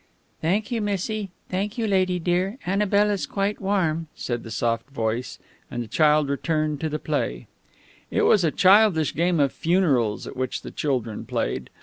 "Thank you, little missie thank you, lady dear Annabel is quite warm," said the soft voice; and the child returned to the play. It was a childish game of funerals at which the children played.